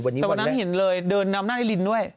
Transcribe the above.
แต่วันนั้นเห็นเลยเดินนำหน้าที่ลินด้วย